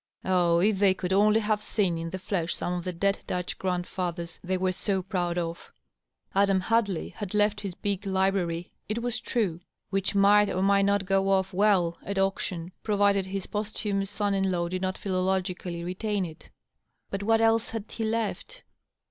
(Ah I if they could only have seen in the flesh some of the dead Dutch grand DOUGLAS DUANE. 677 fethers tliey were so proud of H Adam Hadley had left his big library, it was true, which might or might not go off well at auction, provided his posthumous son in law did not philologicaJlv retain it. But what else had he left?